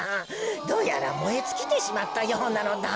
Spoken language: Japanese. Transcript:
どうやらもえつきてしまったようなのだ。